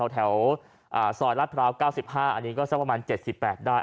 แถวซอยลาดพร้าว๙๕อันนี้ก็สักประมาณ๗๘ได้